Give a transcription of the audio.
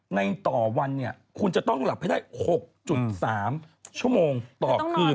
ในต่อวันเนี่ยคุณจะต้องหลับให้ได้๖๓ชั่วโมงต่อคืน